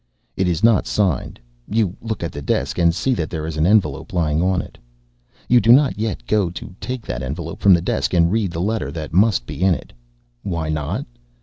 It is not signed. You look at the desk and see that there is an envelope lying on it. You do not yet go to take that envelope from the desk and read the letter that must be in it. Why not?